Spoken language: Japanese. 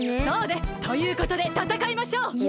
そうです！ということでたたかいましょう！